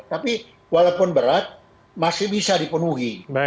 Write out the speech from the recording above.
tapi walaupun berat masih bisa dipenuhi